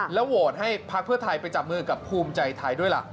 โหวตให้พักเพื่อไทยไปจับมือกับภูมิใจไทยด้วยล่ะ